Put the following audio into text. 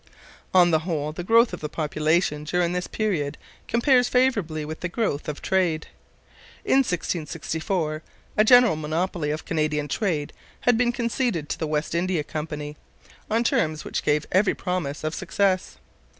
On the whole, the growth of the population during this period compares favourably with the growth of trade. In 1664 a general monopoly of Canadian trade had been conceded to the West India Company, on terms which gave every promise of success.